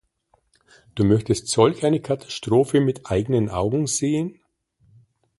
Du möchtest solch eine Katastrophe mit eigenen Augen sehen?